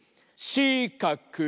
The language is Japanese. しかくい！